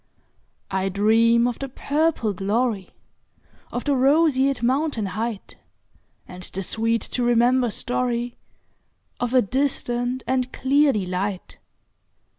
I dream of the purple gloryOf the roseate mountain heightAnd the sweet to remember storyOf a distant and clear delight.